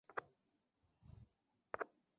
কে বলেছে তুমি পাগল?